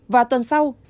và tuần sau